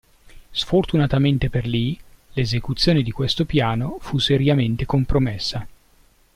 Sfortunatamente per Lee, l'esecuzione di questo piano fu seriamente compromessa.